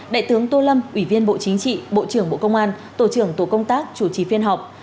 đại tướng tô lâm ủy viên bộ chính trị bộ trưởng bộ công an tổ trưởng tổ công tác chủ trì phiên họp